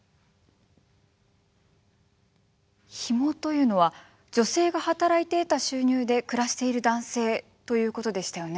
ヒモというのは女性が働いて得た収入で暮らしている男性ということでしたよね。